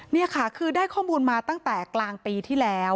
นี่ค่ะคือได้ข้อมูลมาตั้งแต่กลางปีที่แล้ว